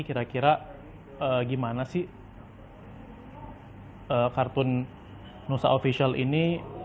kira kira gimana sih kartun nusa official ini